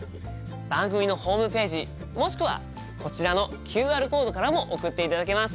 番組のホームページもしくはこちらのＱＲコードからも送っていただけます。